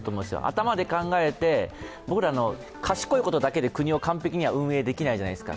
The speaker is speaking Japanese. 頭で考えて、僕ら、賢いことだけで国を完璧には運営できないじゃないですか。